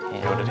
ya udah deh